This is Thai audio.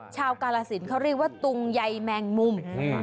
กาลสินเขาเรียกว่าตุงใยแมงมุม